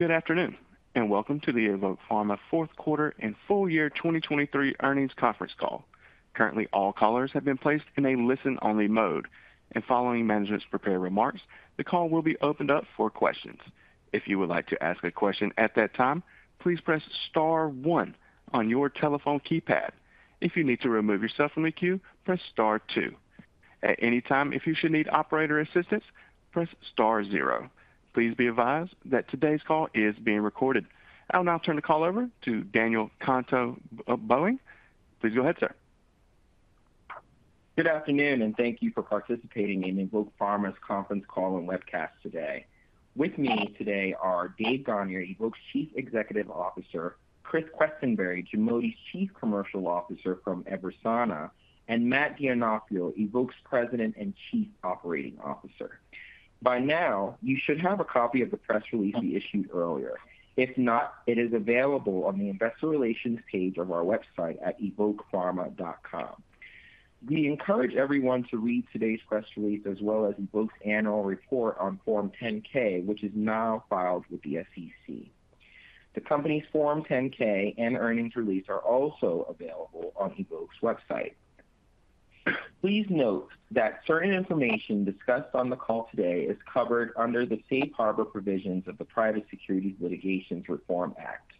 Good afternoon and welcome to the Evoke Pharma Fourth Quarter and Full Year 2023 Earnings Conference Call. Currently, all callers have been placed in a listen-only mode, and following management's prepared remarks, the call will be opened up for questions. If you would like to ask a question at that time, please press star one on your telephone keypad. If you need to remove yourself from the queue, press star two. At any time, if you should need operator assistance, press star zero. Please be advised that today's call is being recorded. I will now turn the call over to Daniel Kontoh-Boateng. Please go ahead, sir. Good afternoon and thank you for participating in the Evoke Pharma's conference call and webcast today. With me today are Dave Gonyer, Evoke's Chief Executive Officer; Chris Quesenberry, GIMOTI's Chief Commercial Officer from EVERSANA; and Matt D’Onofrio, Evoke's President and Chief Operating Officer. By now, you should have a copy of the press release we issued earlier. If not, it is available on the Investor Relations page of our website at evokepharma.com. We encourage everyone to read today's press release as well as Evoke's annual report on Form 10-K, which is now filed with the SEC. The company's Form 10-K and earnings release are also available on Evoke's website. Please note that certain information discussed on the call today is covered under the Safe Harbor provisions of the Private Securities Litigation Reform Act.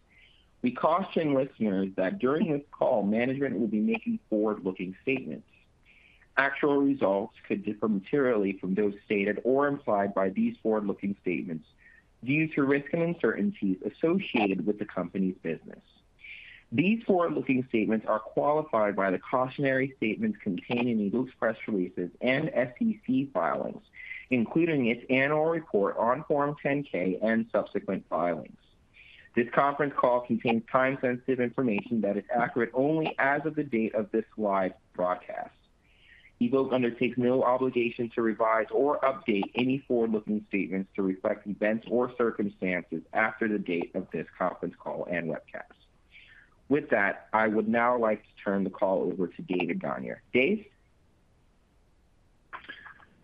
We caution listeners that during this call, management will be making forward-looking statements. Actual results could differ materially from those stated or implied by these forward-looking statements due to risk and uncertainties associated with the company's business. These forward-looking statements are qualified by the cautionary statements contained in Evoke's press releases and SEC filings, including its annual report on Form 10-K and subsequent filings. This conference call contains time-sensitive information that is accurate only as of the date of this live broadcast. Evoke undertakes no obligation to revise or update any forward-looking statements to reflect events or circumstances after the date of this conference call and webcast. With that, I would now like to turn the call over to David Gonyer. Dave?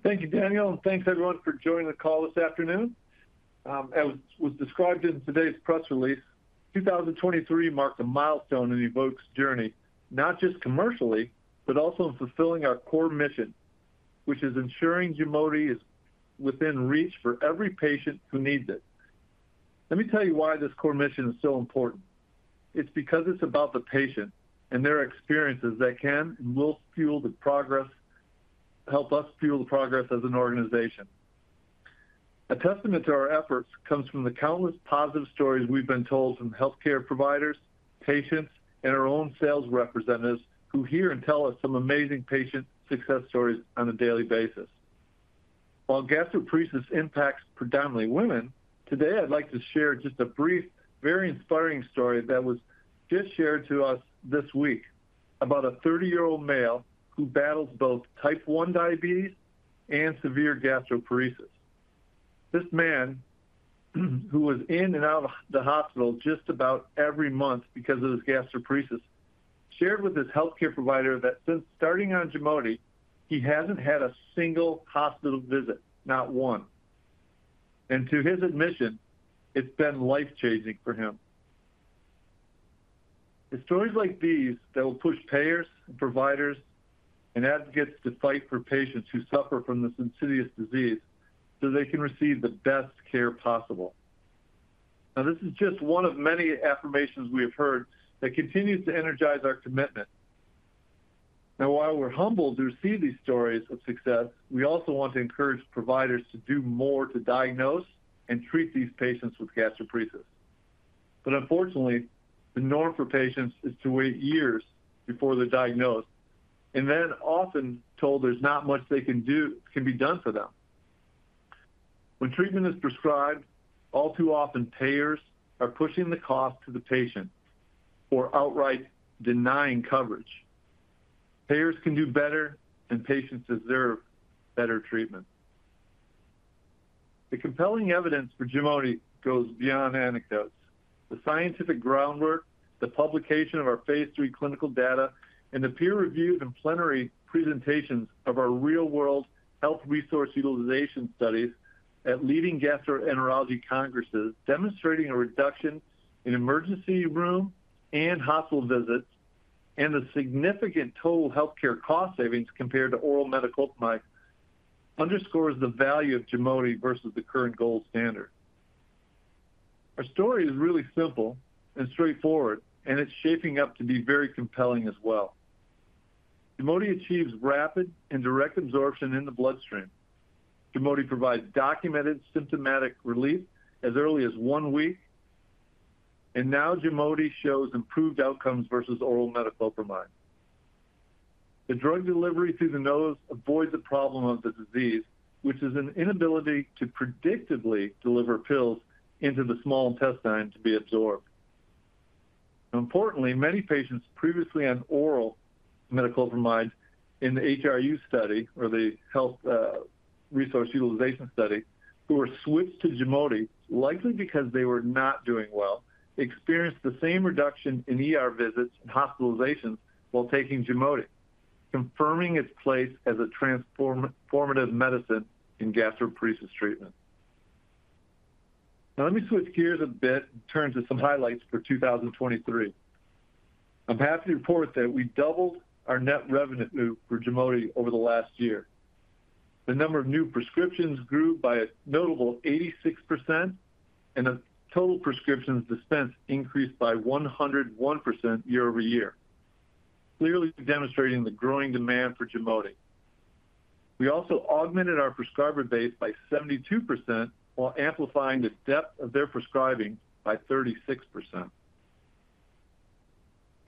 Thank you, Daniel, and thanks, everyone, for joining the call this afternoon. As was described in today's press release, 2023 marked a milestone in Evoke's journey, not just commercially, but also in fulfilling our core mission, which is ensuring GIMOTI is within reach for every patient who needs it. Let me tell you why this core mission is so important. It's because it's about the patient and their experiences that can and will fuel the progress, help us fuel the progress as an organization. A testament to our efforts comes from the countless positive stories we've been told from healthcare providers, patients, and our own sales representatives who hear and tell us some amazing patient success stories on a daily basis. While gastroparesis impacts predominantly women, today I'd like to share just a brief, very inspiring story that was just shared to us this week about a 30-year-old male who battles both type 1 diabetes and severe gastroparesis. This man, who was in and out of the hospital just about every month because of his gastroparesis, shared with his healthcare provider that since starting on GIMOTI, he hasn't had a single hospital visit, not one. To his admission, it's been life-changing for him. It's stories like these that will push payers, providers, and advocates to fight for patients who suffer from this insidious disease so they can receive the best care possible. Now, this is just one of many affirmations we have heard that continues to energize our commitment. Now, while we're humbled to receive these stories of success, we also want to encourage providers to do more to diagnose and treat these patients with gastroparesis. But unfortunately, the norm for patients is to wait years before they're diagnosed and then often told there's not much that can be done for them. When treatment is prescribed, all too often payers are pushing the cost to the patient or outright denying coverage. Payers can do better, and patients deserve better treatment. The compelling evidence for GIMOTI goes beyond anecdotes. The scientific groundwork, the publication of our phase III clinical data, and the peer-reviewed and plenary presentations of our real-world health resource utilization studies at leading gastroenterology congresses demonstrating a reduction in emergency room and hospital visits and the significant total healthcare cost savings compared to oral metoclopramide underscores the value of GIMOTI versus the current gold standard. Our story is really simple and straightforward, and it's shaping up to be very compelling as well. GIMOTI achieves rapid and direct absorption in the bloodstream. GIMOTI provides documented symptomatic relief as early as one week, and now GIMOTI shows improved outcomes versus oral metoclopramide. The drug delivery through the nose avoids the problem of the disease, which is an inability to predictably deliver pills into the small intestine to be absorbed. Now, importantly, many patients previously on oral metoclopramide in the HRU study or the health resource utilization study who were switched to GIMOTI, likely because they were not doing well, experienced the same reduction in visits and hospitalizations while taking GIMOTI, confirming its place as a transformative medicine in gastroparesis treatment. Now, let me switch gears a bit and turn to some highlights for 2023. I'm happy to report that we doubled our net revenue for GIMOTI over the last year. The number of new prescriptions grew by a notable 86%, and the total prescriptions dispensed increased by 101% year-over-year, clearly demonstrating the growing demand for GIMOTI. We also augmented our prescriber base by 72% while amplifying the depth of their prescribing by 36%.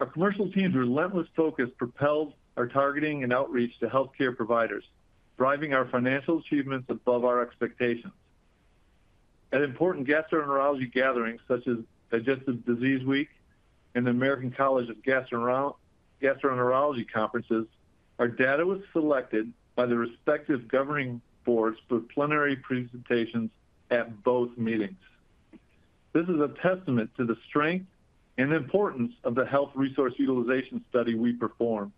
Our commercial team's relentless focus propelled our targeting and outreach to healthcare providers, driving our financial achievements above our expectations. At important gastroenterology gatherings such as Digestive Disease Week and the American College of Gastroenterology conferences, our data was selected by the respective governing boards for plenary presentations at both meetings. This is a testament to the strength and importance of the Health Resource Utilization study we performed.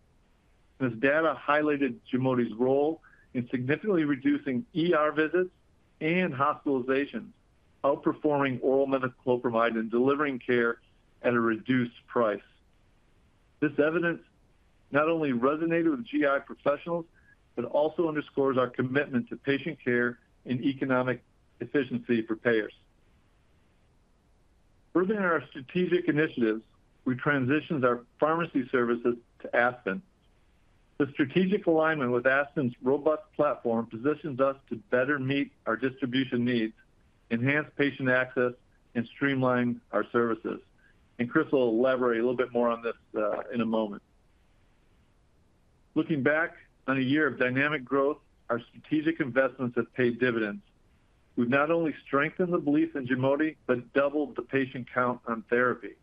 This data highlighted GIMOTI's role in significantly reducing visits and hospitalizations, outperforming oral metoclopramide, and delivering care at a reduced price. This evidence not only resonated with GI professionals but also underscores our commitment to patient care and economic efficiency for payers. Furthering our strategic initiatives, we transitioned our pharmacy services to ASPN. The strategic alignment with ASPN's robust platform positions us to better meet our distribution needs, enhance patient access, and streamline our services. Chris will elaborate a little bit more on this, in a moment. Looking back on a year of dynamic growth, our strategic investments have paid dividends. We've not only strengthened the belief in GIMOTI but doubled the patient count on therapy.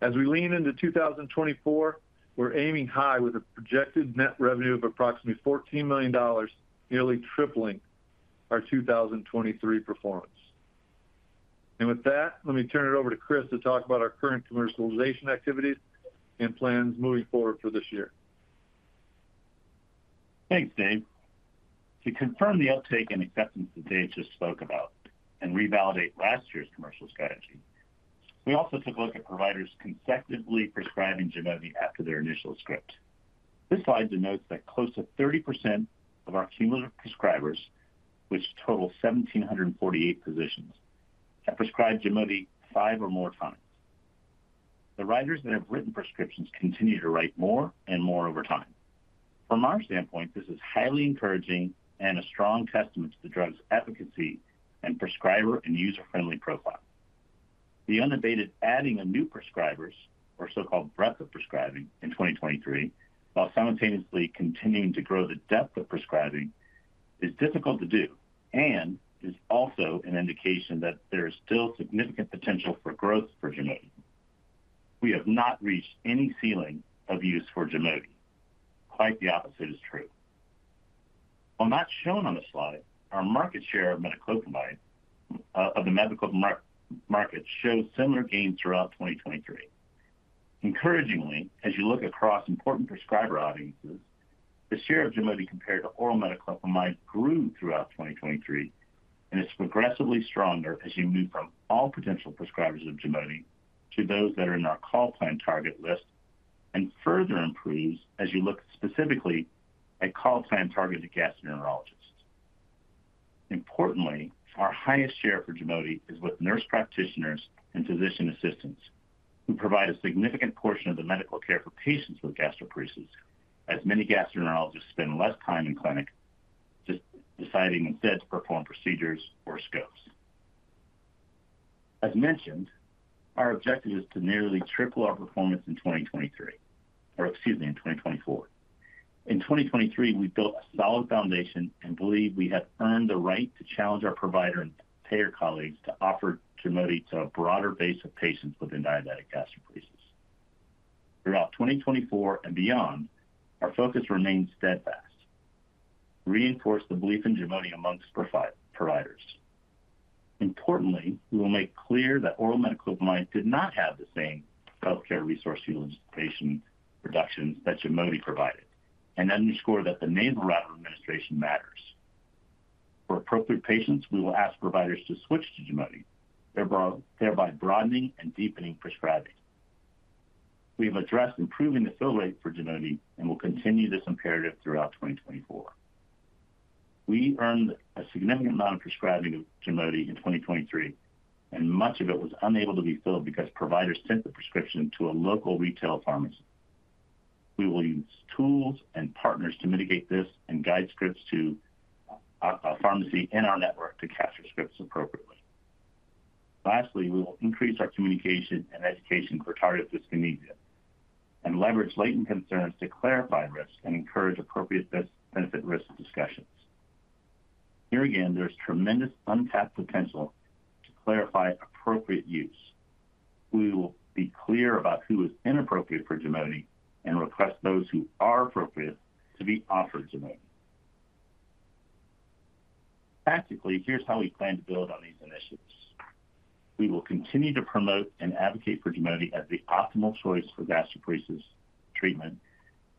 As we lean into 2024, we're aiming high with a projected net revenue of approximately $14 million, nearly tripling our 2023 performance. With that, let me turn it over to Chris to talk about our current commercialization activities and plans moving forward for this year. Thanks, Dave. To confirm the uptake and acceptance that Dave just spoke about and revalidate last year's commercial strategy, we also took a look at providers consecutively prescribing GIMOTI after their initial script. This slide denotes that close to 30% of our cumulative prescribers, which total 1,748 positions, have prescribed GIMOTI five or more times. The writers that have written prescriptions continue to write more and more over time. From our standpoint, this is highly encouraging and a strong testament to the drug's efficacy and prescriber and user-friendly profile. The unabated adding of new prescribers, or so-called breadth of prescribing, in 2023 while simultaneously continuing to grow the depth of prescribing is difficult to do and is also an indication that there is still significant potential for growth for GIMOTI. We have not reached any ceiling of use for GIMOTI. Quite the opposite is true. While not shown on the slide, our market share of metoclopramide, of the metoclopramide market shows similar gains throughout 2023. Encouragingly, as you look across important prescriber audiences, the share of GIMOTI compared to oral metoclopramide grew throughout 2023 and is progressively stronger as you move from all potential prescribers of GIMOTI to those that are in our call plan target list and further improves as you look specifically at call plan targeted gastroenterologists. Importantly, our highest share for GIMOTI is with nurse practitioners and physician assistants who provide a significant portion of the medical care for patients with gastroparesis, as many gastroenterologists spend less time in clinic deciding instead to perform procedures or scopes. As mentioned, our objective is to nearly triple our performance in 2023 or excuse me, in 2024. In 2023, we built a solid foundation and believe we have earned the right to challenge our provider and payer colleagues to offer GIMOTI to a broader base of patients within diabetic gastroparesis. Throughout 2024 and beyond, our focus remains steadfast: reinforce the belief in GIMOTI amongst providers. Importantly, we will make clear that oral metoclopramide did not have the same healthcare resource utilization reductions that GIMOTI provided and underscore that the nasal route administration matters. For appropriate patients, we will ask providers to switch to GIMOTI, thereby broadening and deepening prescribing. We have addressed improving the fill rate for GIMOTI and will continue this imperative throughout 2024. We earned a significant amount of prescribing of GIMOTI in 2023, and much of it was unable to be filled because providers sent the prescription to a local retail pharmacy. We will use tools and partners to mitigate this and guide scripts to our pharmacy and our network to capture scripts appropriately. Lastly, we will increase our communication and education for tardive dyskinesia and leverage latent concerns to clarify risks and encourage appropriate benefit-risk discussions. Here again, there is tremendous untapped potential to clarify appropriate use. We will be clear about who is inappropriate for GIMOTI and request those who are appropriate to be offered GIMOTI. Tactically, here's how we plan to build on these initiatives. We will continue to promote and advocate for GIMOTI as the optimal choice for gastroparesis treatment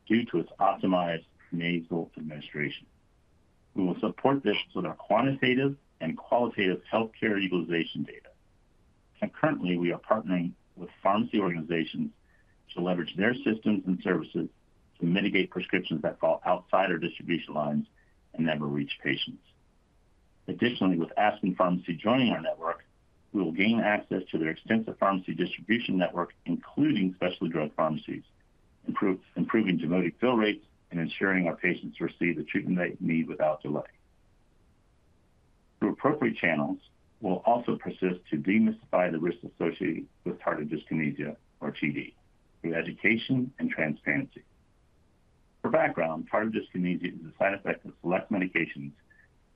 due to its optimized nasal administration. We will support this with our quantitative and qualitative healthcare utilization data. Currently, we are partnering with pharmacy organizations to leverage their systems and services to mitigate prescriptions that fall outside our distribution lines and never reach patients. Additionally, with ASPN Pharmacy joining our network, we will gain access to their extensive pharmacy distribution network, including specialty drug pharmacies, improving GIMOTI fill rates and ensuring our patients receive the treatment they need without delay. Through appropriate channels, we'll also persist to demystify the risks associated with tardive dyskinesia, or TD, through education and transparency. For background, tardive dyskinesia is a side effect of select medications,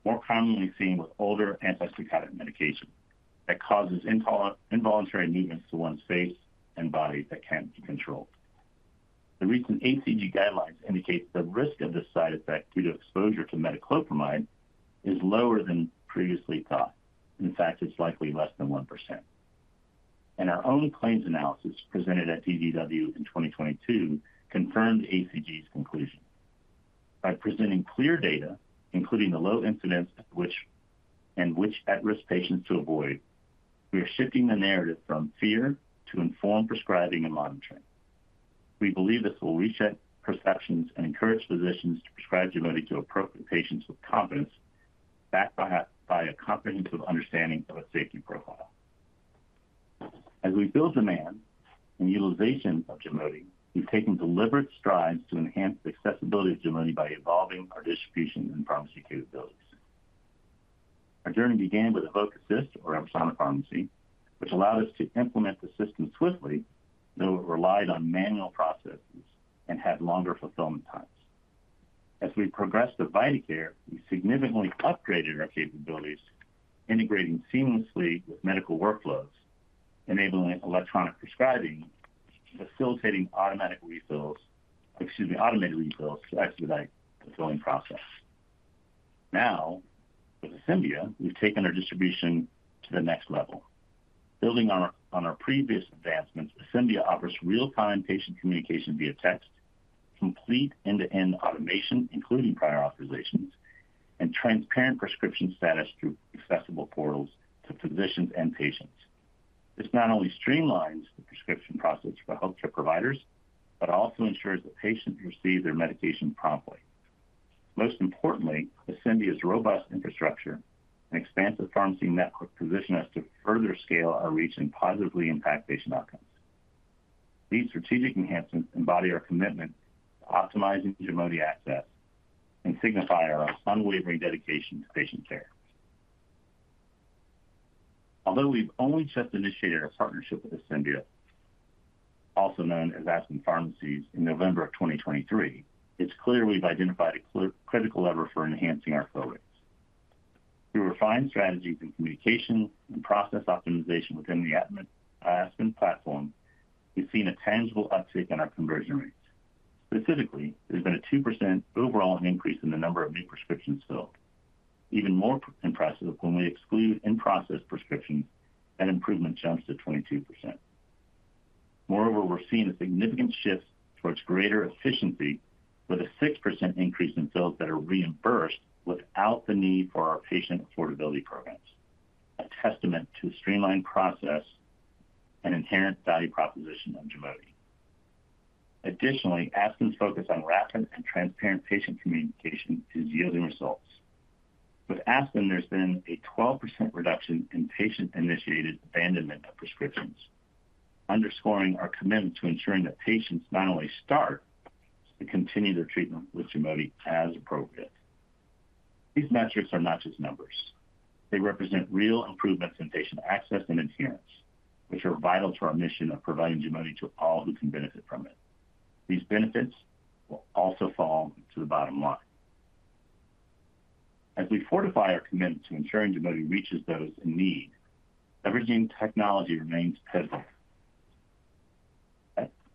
more commonly seen with older antipsychotic medications, that causes involuntary movements to one's face and body that can't be controlled. The recent ACG guidelines indicate the risk of this side effect due to exposure to metoclopramide is lower than previously thought. In fact, it's likely less than 1%. Our own claims analysis presented at DDW in 2022 confirmed ACG's conclusion. By presenting clear data, including the low incidence at which and which at-risk patients to avoid, we are shifting the narrative from fear to informed prescribing and monitoring. We believe this will reset perceptions and encourage physicians to prescribe GIMOTI to appropriate patients with confidence, backed by a comprehensive understanding of its safety profile. As we build demand and utilization of GIMOTI, we've taken deliberate strides to enhance the accessibility of GIMOTI by evolving our distribution and pharmacy capabilities. Our journey began with Evoke Assist, or Eversana Pharmacy, which allowed us to implement the system swiftly, though it relied on manual processes and had longer fulfillment times. As we progressed to VitaCare, we significantly upgraded our capabilities, integrating seamlessly with medical workflows, enabling electronic prescribing, facilitating automatic refills excuse me, automated refills to expedite the filling process. Now, with ASPN, we've taken our distribution to the next level. Building on our previous advancements, ASPN offers real-time patient communication via text, complete end-to-end automation, including prior authorizations, and transparent prescription status through accessible portals to physicians and patients. This not only streamlines the prescription process for healthcare providers but also ensures that patients receive their medication promptly. Most importantly, ASPN's robust infrastructure and expansive pharmacy network position us to further scale our reach and positively impact patient outcomes. These strategic enhancements embody our commitment to optimizing GIMOTI access and signify our unwavering dedication to patient care. Although we've only just initiated our partnership with ASPN, also known as ASPN Pharmacies, in November of 2023, it's clear we've identified a critical lever for enhancing our fill rates. Through refined strategies in communication and process optimization within the ASPN platform, we've seen a tangible uptick in our conversion rates. Specifically, there's been a 2% overall increase in the number of new prescriptions filled, even more impressive when we exclude in-process prescriptions, and improvement jumps to 22%. Moreover, we're seeing a significant shift towards greater efficiency with a 6% increase in fills that are reimbursed without the need for our patient affordability programs, a testament to a streamlined process and inherent value proposition of GIMOTI. Additionally, ASPN's focus on rapid and transparent patient communication is yielding results. With ASPN, there's been a 12% reduction in patient-initiated abandonment of prescriptions, underscoring our commitment to ensuring that patients not only start but continue their treatment with GIMOTI as appropriate. These metrics are not just numbers. They represent real improvements in patient access and adherence, which are vital to our mission of providing GIMOTI to all who can benefit from it. These benefits will also fall to the bottom line. As we fortify our commitment to ensuring GIMOTI reaches those in need, leveraging technology remains pivotal.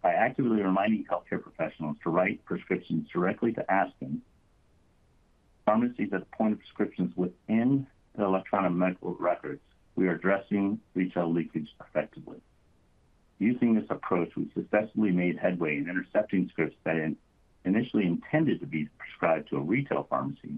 By actively reminding healthcare professionals to write prescriptions directly to ASPN, pharmacies that appoint prescriptions within the electronic medical records, we are addressing retail leakage effectively. Using this approach, we've successfully made headway in intercepting scripts that initially intended to be prescribed to a retail pharmacy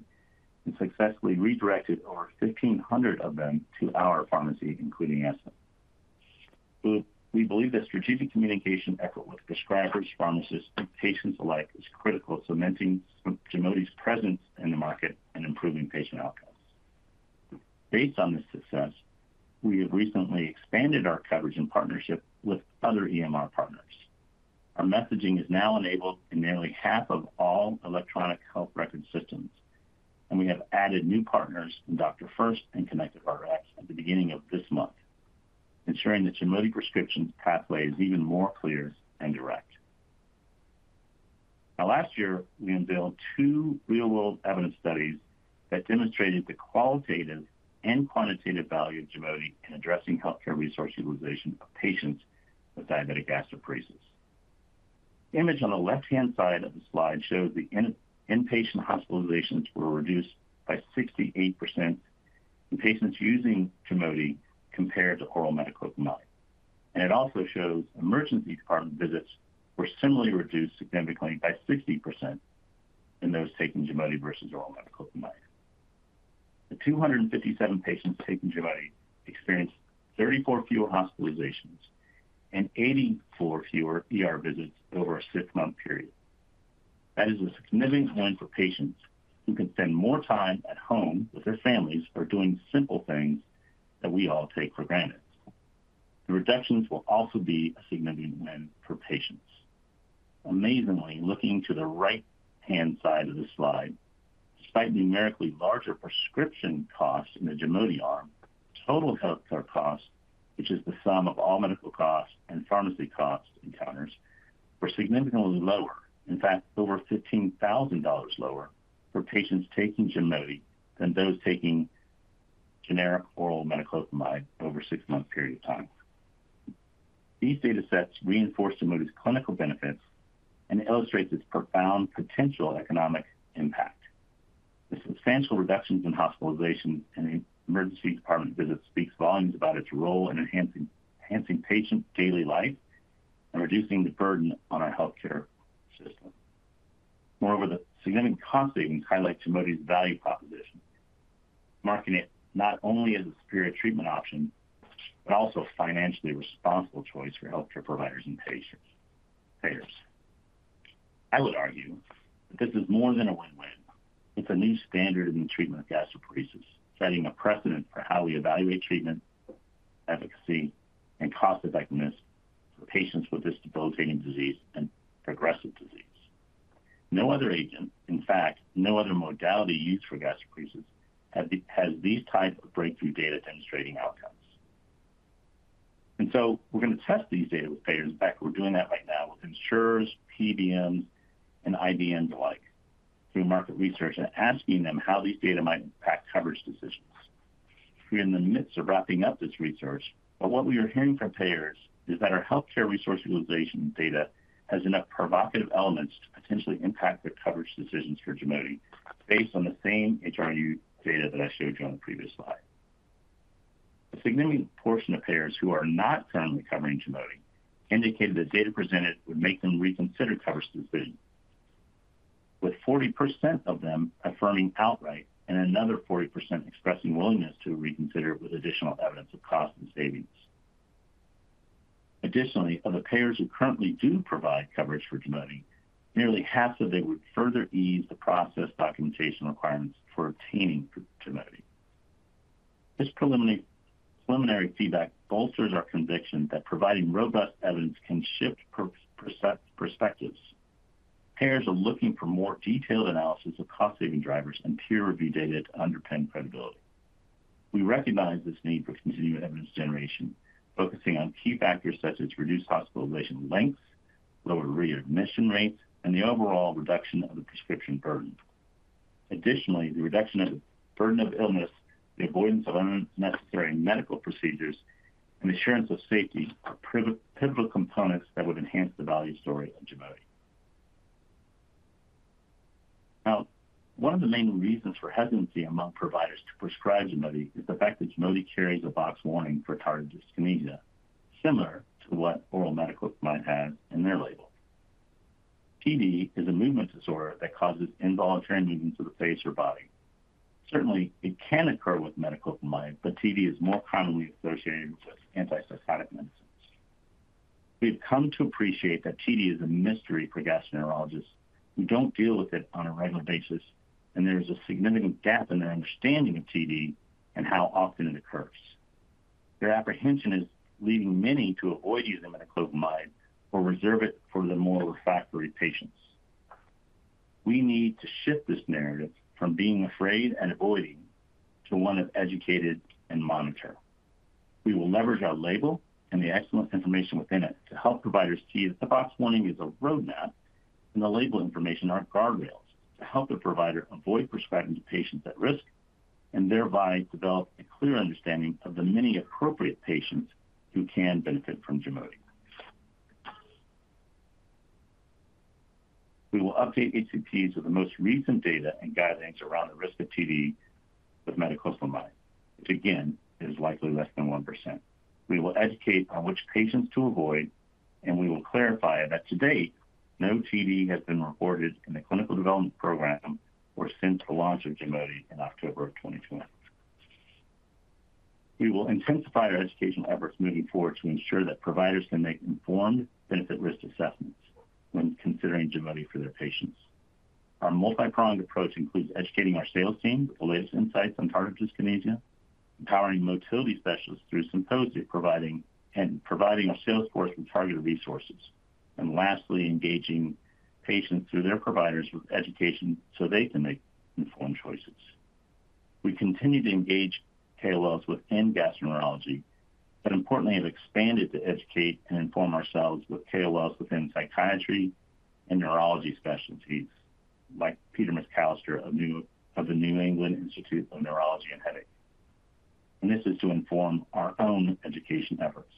and successfully redirected over 1,500 of them to our pharmacy, including ASPN. We believe that strategic communication effort with prescribers, pharmacists, and patients alike is critical to cementing GIMOTI's presence in the market and improving patient outcomes. Based on this success, we have recently expanded our coverage and partnership with other EMR partners. Our messaging is now enabled in nearly half of all electronic health record systems, and we have added new partners in DrFirst and ConnectiveRx at the beginning of this month, ensuring that GIMOTI prescriptions pathway is even more clear and direct. Now, last year, we unveiled two real-world evidence studies that demonstrated the qualitative and quantitative value of GIMOTI in addressing healthcare resource utilization of patients with diabetic gastroparesis. The image on the left-hand side of the slide shows the inpatient hospitalizations were reduced by 68% in patients using GIMOTI compared to oral metoclopramide. It also shows emergency department visits were similarly reduced significantly by 60% in those taking GIMOTI versus oral metoclopramide. The 257 patients taking GIMOTI experienced 34 fewer hospitalizations and 84 fewer visits over a six-month period. That is a significant win for patients who can spend more time at home with their families or doing simple things that we all take for granted. The reductions will also be a significant win for patients. Amazingly, looking to the right-hand side of the slide, despite numerically larger prescription costs in the GIMOTI arm, total healthcare costs, which is the sum of all medical costs and pharmacy costs encounters, were significantly lower, in fact, over $15,000 lower for patients taking GIMOTI than those taking generic oral metoclopramide over a six-month period of time. These data sets reinforce GIMOTI's clinical benefits and illustrate its profound potential economic impact. The substantial reductions in hospitalizations and emergency department visits speak volumes about its role in enhancing patient daily life and reducing the burden on our healthcare system. Moreover, the significant cost savings highlight GIMOTI's value proposition, marking it not only as a superior treatment option but also a financially responsible choice for healthcare providers and payers. I would argue that this is more than a win-win. It's a new standard in the treatment of gastroparesis, setting a precedent for how we evaluate treatment, efficacy, and cost effectiveness for patients with this debilitating disease and progressive disease. No other agent, in fact, no other modality used for gastroparesis has these types of breakthrough data demonstrating outcomes. And so we're going to test these data with payers. In fact, we're doing that right now with insurers, PBMs, and IDNs alike through market research and asking them how these data might impact coverage decisions. We're in the midst of wrapping up this research, but what we are hearing from payers is that our healthcare resource utilization data has enough provocative elements to potentially impact their coverage decisions for GIMOTI based on the same HRU data that I showed you on the previous slide. A significant portion of payers who are not currently covering GIMOTI indicated the data presented would make them reconsider coverage decisions, with 40% of them affirming outright and another 40% expressing willingness to reconsider it with additional evidence of cost and savings. Additionally, of the payers who currently do provide coverage for GIMOTI, nearly half said they would further ease the process documentation requirements for obtaining GIMOTI. This preliminary feedback bolsters our conviction that providing robust evidence can shift perspectives. Payers are looking for more detailed analysis of cost-saving drivers and peer-reviewed data to underpin credibility. We recognize this need for continued evidence generation, focusing on key factors such as reduced hospitalization lengths, lower readmission rates, and the overall reduction of the prescription burden. Additionally, the reduction of the burden of illness, the avoidance of unnecessary medical procedures, and assurance of safety are pivotal components that would enhance the value story of GIMOTI. Now, one of the main reasons for hesitancy among providers to prescribe GIMOTI is the fact that GIMOTI carries a box warning for tardive dyskinesia, similar to what oral metoclopramide might have in their label. TD is a movement disorder that causes involuntary movements of the face or body. Certainly, it can occur with metoclopramide, but TD is more commonly associated with antipsychotic medicines. We have come to appreciate that TD is a mystery for gastroenterologists who don't deal with it on a regular basis, and there is a significant gap in their understanding of TD and how often it occurs. Their apprehension is leading many to avoid using metoclopramide or reserve it for the more refractory patients. We need to shift this narrative from being afraid and avoiding to one of educated and monitored. We will leverage our label and the excellent information within it to help providers see that the box warning is a roadmap, and the label information are guardrails to help the provider avoid prescribing to patients at risk and thereby develop a clear understanding of the many appropriate patients who can benefit from GIMOTI. We will update HCPs with the most recent data and guidelines around the risk of TD with metoclopramide, which again is likely less than 1%. We will educate on which patients to avoid, and we will clarify that to date, no TD has been reported in the clinical development program or since the launch of GIMOTI in October of 2020. We will intensify our educational efforts moving forward to ensure that providers can make informed benefit-risk assessments when considering GIMOTI for their patients. Our multi-pronged approach includes educating our sales team with the latest insights on tardive dyskinesia, empowering motility specialists through symposium, providing our sales force with targeted resources, and lastly, engaging patients through their providers with education so they can make informed choices. We continue to engage KOLs within gastroenterology, but importantly, have expanded to educate and inform ourselves with KOLs within psychiatry and neurology specialties like Peter McAllister of the New England Institute of Neurology and Headache. This is to inform our own education efforts.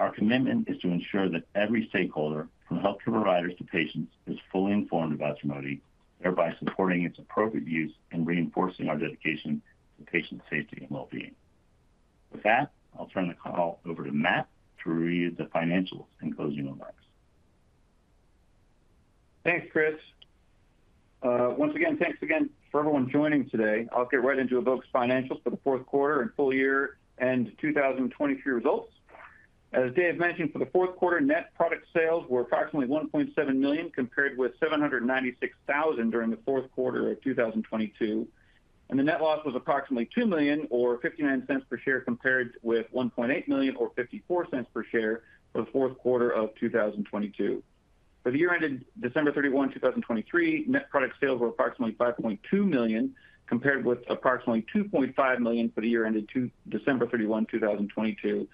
Our commitment is to ensure that every stakeholder, from healthcare providers to patients, is fully informed about GIMOTI, thereby supporting its appropriate use and reinforcing our dedication to patient safety and well-being. With that, I'll turn the call over to Matt to review the financials and closing remarks. Thanks, Chris. Once again, thanks again for everyone joining today. I'll get right into Evoke's financials for the fourth quarter and full year-end 2023 results. As Dave mentioned, for the fourth quarter, net product sales were approximately $1.7 million compared with $796,000 during the fourth quarter of 2022. The net loss was approximately $2 million or $0.59 per share compared with $1.8 million or $0.54 per share for the fourth quarter of 2022. For the year-ended December 31, 2023, net product sales were approximately $5.2 million compared with approximately $2.5 million for the year-ended December 31, 2022.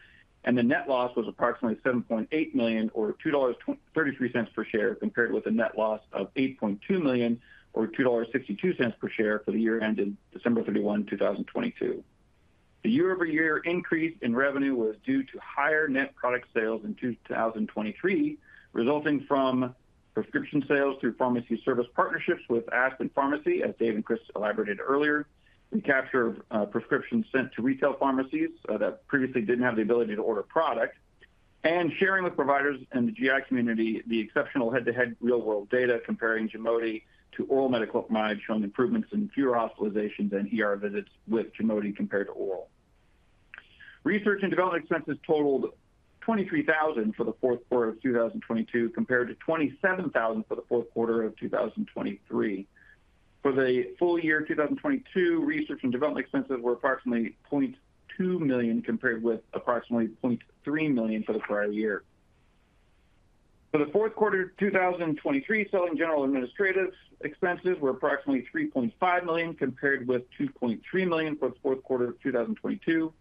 The net loss was approximately $7.8 million or $2.33 per share compared with a net loss of $8.2 million or $2.62 per share for the year-ended December 31, 2022. The year-over-year increase in revenue was due to higher net product sales in 2023, resulting from prescription sales through pharmacy service partnerships with ASPN Pharmacy, as Dave and Chris elaborated earlier, recapture of prescriptions sent to retail pharmacies that previously didn't have the ability to order product, and sharing with providers and the GI community the exceptional head-to-head real-world data comparing GIMOTI to oral metoclopramide showing improvements in fewer hospitalizations and visits with GIMOTI compared to oral metoclopramide. Research and development expenses totaled $23,000 for the fourth quarter of 2022 compared to $27,000 for the fourth quarter of 2023. For the full year 2022, research and development expenses were approximately $0.2 million compared with approximately $0.3 million for the prior year. For the fourth quarter 2023, selling general administrative expenses were approximately $3.5 million compared with $2.3 million for the fourth quarter of 2022.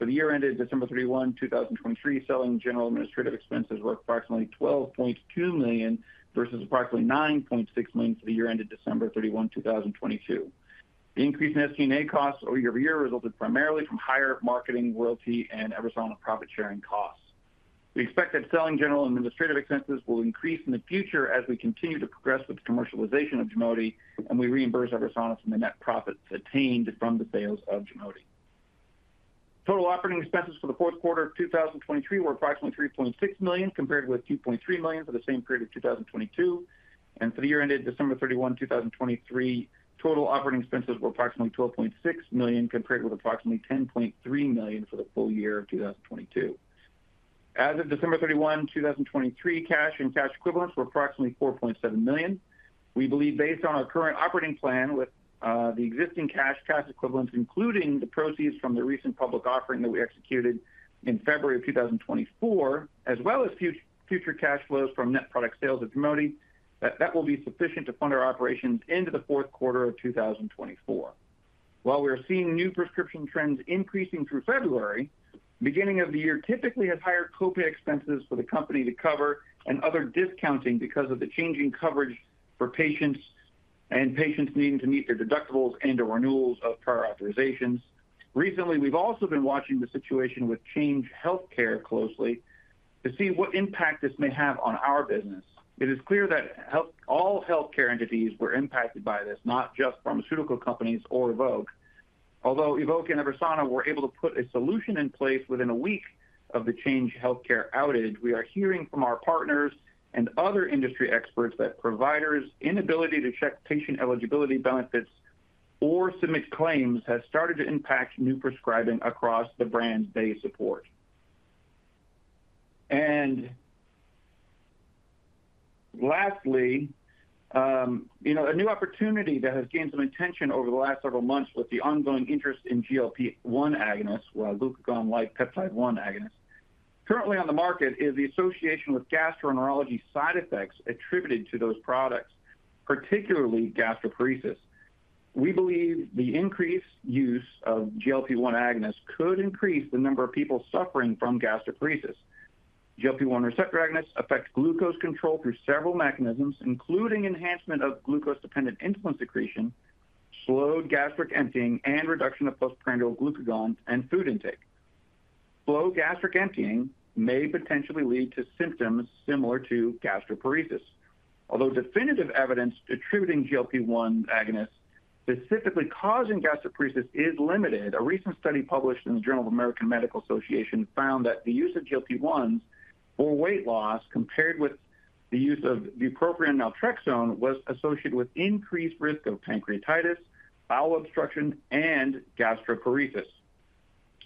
For the year-ended December 31, 2023, selling general administrative expenses were approximately $12.2 million versus approximately $9.6 million for the year-ended December 31, 2022. The increase in SG&A costs year-over-year resulted primarily from higher marketing, royalty, and EVERSANA profit-sharing costs. We expect that selling general administrative expenses will increase in the future as we continue to progress with the commercialization of GIMOTI, and we reimburse EVERSANA from the net profits attained from the sales of GIMOTI. Total operating expenses for the fourth quarter of 2023 were approximately $3.6 million compared with $2.3 million for the same period of 2022. For the year-ended December 31, 2023, total operating expenses were approximately $12.6 million compared with approximately $10.3 million for the full year of 2022. As of December 31, 2023, cash and cash equivalents were approximately $4.7 million. We believe based on our current operating plan with the existing cash, cash equivalents including the proceeds from the recent public offering that we executed in February of 2024, as well as future cash flows from net product sales of GIMOTI, that that will be sufficient to fund our operations into the fourth quarter of 2024. While we are seeing new prescription trends increasing through February, the beginning of the year typically has higher copay expenses for the company to cover and other discounting because of the changing coverage for patients and patients needing to meet their deductibles and/or renewals of prior authorizations. Recently, we've also been watching the situation with Change Healthcare closely to see what impact this may have on our business. It is clear that all healthcare entities were impacted by this, not just pharmaceutical companies or Evoke. Although Evoke and Eversana were able to put a solution in place within a week of the Change Healthcare outage, we are hearing from our partners and other industry experts that providers' inability to check patient eligibility benefits or submit claims has started to impact new prescribing across the brands they support. And lastly, a new opportunity that has gained some attention over the last several months with the ongoing interest in GLP-1 agonists, glucagon-like peptide-1 agonists, currently on the market is the association with gastroenterology side effects attributed to those products, particularly gastroparesis. We believe the increased use of GLP-1 agonists could increase the number of people suffering from gastroparesis. GLP-1 receptor agonists affect glucose control through several mechanisms, including enhancement of glucose-dependent insulin secretion, slowed gastric emptying, and reduction of postprandial glucagon and food intake. Slow gastric emptying may potentially lead to symptoms similar to gastroparesis. Although definitive evidence attributing GLP-1 agonists specifically causing gastroparesis is limited, a recent study published in the Journal of American Medical Association found that the use of GLP-1s for weight loss compared with the use of bupropion and naltrexone was associated with increased risk of pancreatitis, bowel obstruction, and gastroparesis.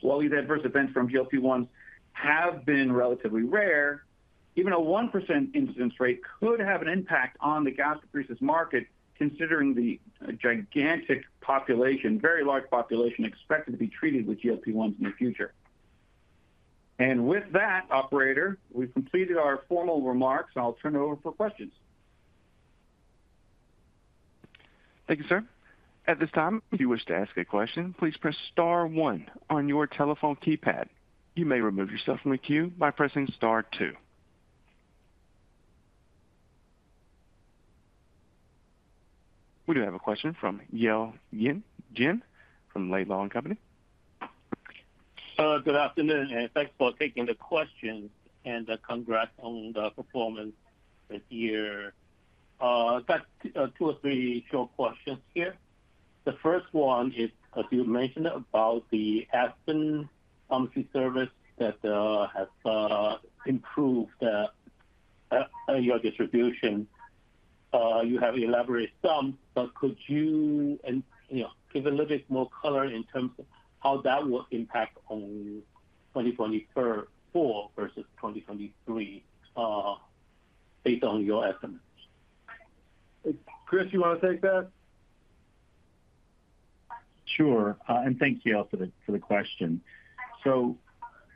While these adverse events from GLP-1s have been relatively rare, even a 1% incidence rate could have an impact on the gastroparesis market considering the gigantic population, very large population expected to be treated with GLP-1s in the future. With that, operator, we've completed our formal remarks, and I'll turn it over for questions. Thank you, sir. At this time, if you wish to ask a question, please press star one on your telephone keypad. You may remove yourself from the queue by pressing star two. We do have a question from Yale I-Eh Jen from Laidlaw & Company. Good afternoon, and thanks for taking the questions. Congrats on the performance this year. I've got two or three short questions here. The first one is, as you mentioned, about the ASPN Pharmacy service that has improved your distribution. You have elaborated some, but could you give a little bit more color in terms of how that would impact on 2024 versus 2023 based on your estimates? Chris, you want to take that? Sure. And thank you all for the question. So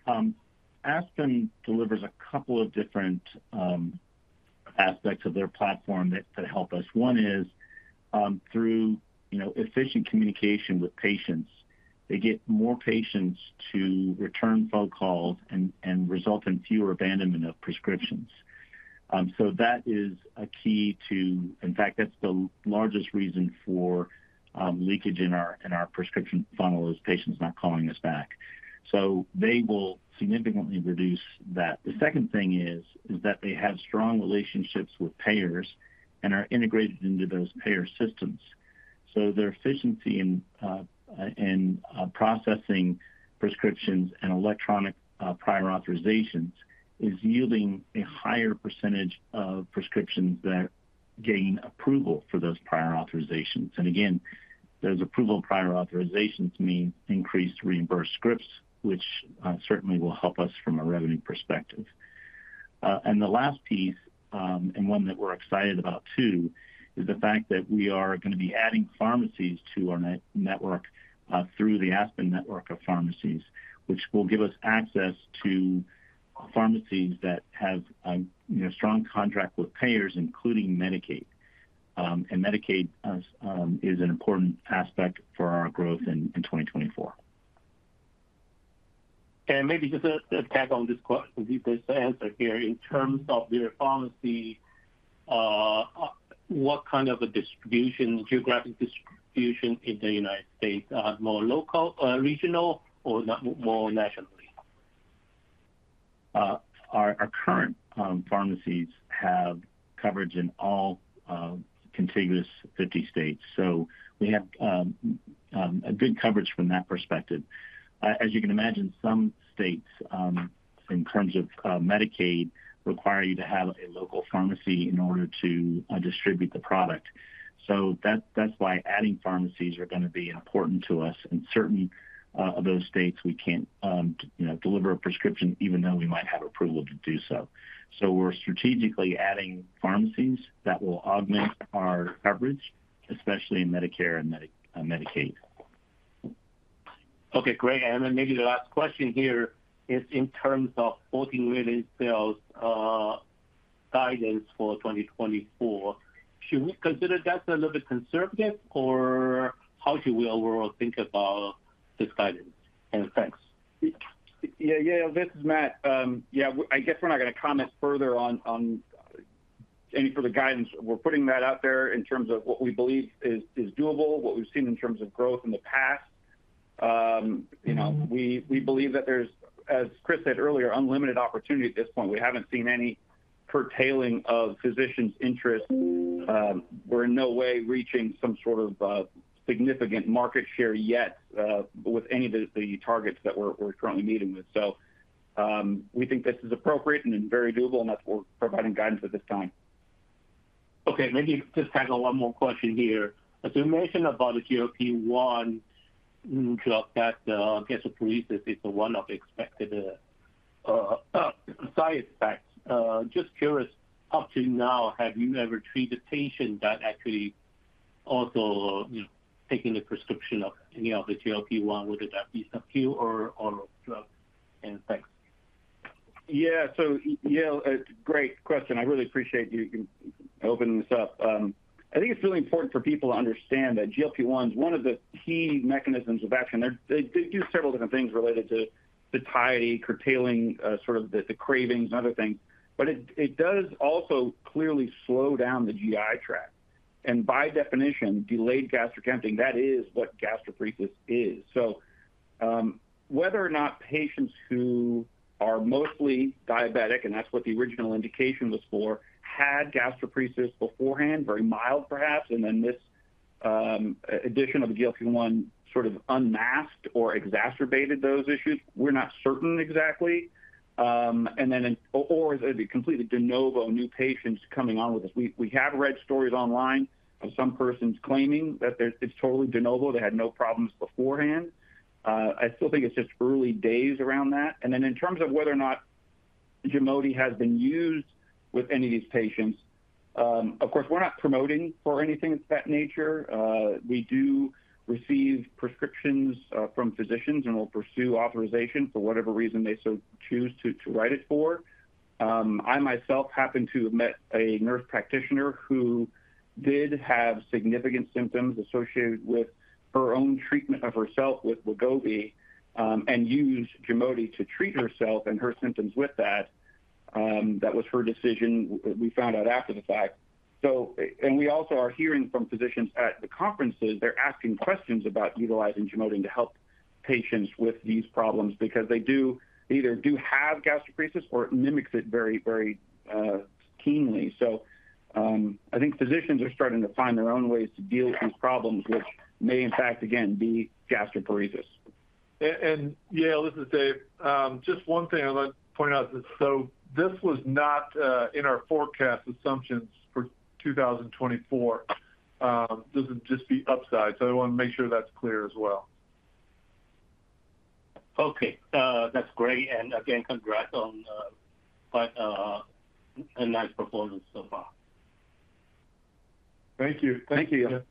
ASPN delivers a couple of different aspects of their platform that help us. One is through efficient communication with patients. They get more patients to return phone calls and result in fewer abandonment of prescriptions. So that is a key to, in fact, that's the largest reason for leakage in our prescription funnel is patients not calling us back. So they will significantly reduce that. The second thing is that they have strong relationships with payers and are integrated into those payer systems. So their efficiency in processing prescriptions and electronic prior authorizations is yielding a higher percentage of prescriptions that gain approval for those prior authorizations. And again, those approval prior authorizations mean increased reimbursed scripts, which certainly will help us from a revenue perspective. And the last piece, and one that we're excited about too, is the fact that we are going to be adding pharmacies to our network through the ASPN network of pharmacies, which will give us access to pharmacies that have a strong contract with payers, including Medicaid. And Medicaid is an important aspect for our growth in 2024. Maybe just to tack on this answer here, in terms of your pharmacy, what kind of a geographic distribution in the United States, more regional or more nationally? Our current pharmacies have coverage in all contiguous 50 states. So we have good coverage from that perspective. As you can imagine, some states, in terms of Medicaid, require you to have a local pharmacy in order to distribute the product. So that's why adding pharmacies are going to be important to us. In certain of those states, we can't deliver a prescription even though we might have approval to do so. So we're strategically adding pharmacies that will augment our coverage, especially in Medicare and Medicaid. Okay, great. And then maybe the last question here is, in terms of $14 million sales guidance for 2024, should we consider that a little bit conservative, or how should we overall think about this guidance? And thanks. Yeah, yeah, yeah. This is Matt. Yeah, I guess we're not going to comment further on any further guidance. We're putting that out there in terms of what we believe is doable, what we've seen in terms of growth in the past. We believe that there's, as Chris said earlier, unlimited opportunity at this point. We haven't seen any curtailing of physicians' interest. We're in no way reaching some sort of significant market share yet with any of the targets that we're currently meeting with. So we think this is appropriate and very doable, and that's what we're providing guidance at this time. Okay. Maybe just tack on one more question here. As you mentioned about the GLP-1 drug that gastroparesis is one of the expected side effects, just curious, up to now, have you ever treated patients that actually also taking a prescription of any of the GLP-1, would it be subcu or drug? And thanks. Yeah. So Yale, great question. I really appreciate you opening this up. I think it's really important for people to understand that GLP-1 is one of the key mechanisms of action. They do several different things related to satiety, curtailing sort of the cravings and other things. But it does also clearly slow down the GI tract. And by definition, delayed gastric emptying, that is what gastroparesis is. So whether or not patients who are mostly diabetic, and that's what the original indication was for, had gastroparesis beforehand, very mild perhaps, and then this addition of the GLP-1 sort of unmasked or exacerbated those issues, we're not certain exactly. Or is it completely de novo new patients coming on with this? We have read stories online of some persons claiming that it's totally de novo. They had no problems beforehand. I still think it's just early days around that. And then in terms of whether or not GIMOTI has been used with any of these patients, of course, we're not promoting for anything of that nature. We do receive prescriptions from physicians and will pursue authorization for whatever reason they so choose to write it for. I myself happen to have met a nurse practitioner who did have significant symptoms associated with her own treatment of herself with Wegovy and used GIMOTI to treat herself and her symptoms with that. That was her decision, we found out after the fact. And we also are hearing from physicians at the conferences. They're asking questions about utilizing GIMOTI to help patients with these problems because they either do have gastroparesis or it mimics it very, very keenly. So I think physicians are starting to find their own ways to deal with these problems, which may, in fact, again, be gastroparesis. Yale, this is Dave. Just one thing I'd like to point out is that so this was not in our forecast assumptions for 2024. This would just be upside. I want to make sure that's clear as well. Okay. That's great. And again, congrats on a nice performance so far. Thank you. Thank you.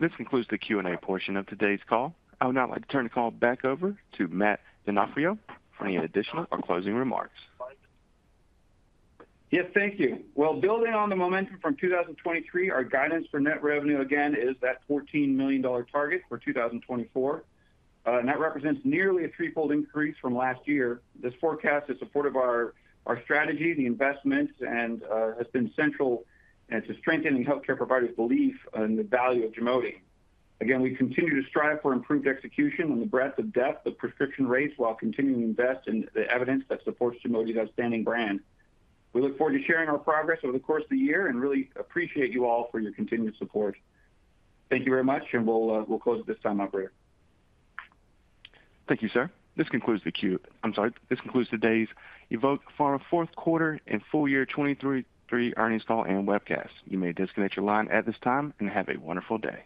This concludes the Q&A portion of today's call. I would now like to turn the call back over to Matt D'Onofrio for any additional or closing remarks. Yes, thank you. Well, building on the momentum from 2023, our guidance for net revenue, again, is that $14 million target for 2024. That represents nearly a threefold increase from last year. This forecast is supportive of our strategy, the investments, and has been central to strengthening healthcare providers' belief in the value of GIMOTI. Again, we continue to strive for improved execution and the breadth of depth of prescription rates while continuing to invest in the evidence that supports GIMOTI's outstanding brand. We look forward to sharing our progress over the course of the year and really appreciate you all for your continued support. Thank you very much, and we'll close it this time, operator. Thank you, sir. This concludes today's Evoke Pharma fourth quarter and full year 2023 earnings call and webcast. You may disconnect your line at this time and have a wonderful day.